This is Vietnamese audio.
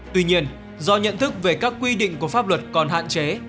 tuy nhiên do nhận thức về các quy định của pháp luật còn hạn chế